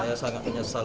saya sangat menyesal